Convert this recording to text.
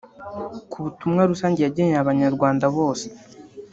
Ku butumwa rusange yageneye Abanyarwanda bose